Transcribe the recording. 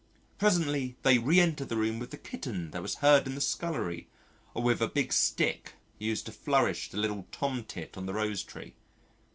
Presently they re enter the room with the kitten that was heard in the scullery or with a big stick used to flourish at a little Tomtit on the rose tree.